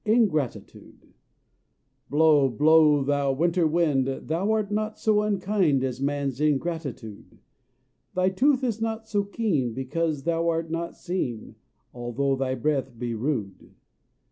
INGRATITUDE Blow, blow, thou winter wind, Thou art not so unkind As man's ingratitude; Thy tooth is not so keen Because thou art not seen, Although thy breath be rude.